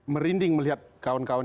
merinding melihat kawan kawan